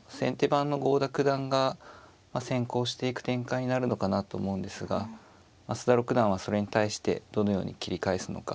番の郷田九段が先攻していく展開になるのかなと思うんですが増田六段はそれに対してどのように切り返すのか。